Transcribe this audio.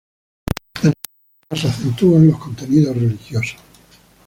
En su poesía se acentúan los contenidos religiosos.